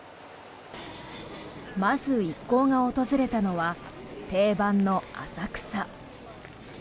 まず、一行が訪れたのは定番の浅草。